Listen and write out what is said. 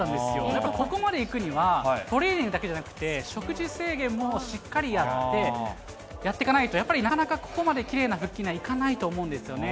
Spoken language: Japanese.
やっぱここまでいくには、トレーニングだけじゃなくて、食事制限もしっかりやってかないと、やっぱりなかなかここまできれいな腹筋にはいかないと思うんですよね。